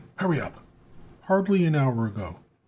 Hurry up!" "Hardly an hour ago.